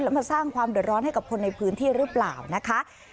แล้วมาสร้างความเดือดร้อนให้กับคนในพื้นที่หรือเปล่านะคะ